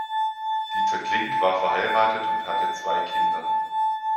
Dieter Klink war verheiratet und hatte zwei Kinder.